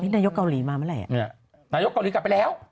นายกเกาหลีกลับไปแล้ว